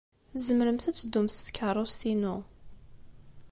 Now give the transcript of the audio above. Tzemremt ad teddumt s tkeṛṛust-inu.